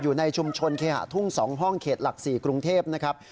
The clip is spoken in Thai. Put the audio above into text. อยู่ในชุมชนเคหะทุ่ง๒ห้องเขตหลัก๔กรุงเทพนะครับ